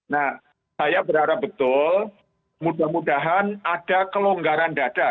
nah saya berharap betul mudah mudahan ada kelonggaran dada